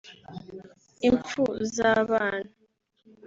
impfu z’ abana